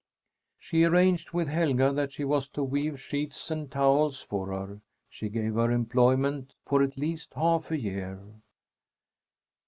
She arranged with Helga that she was to weave sheets and towels for her. She gave her employment for at least half a year.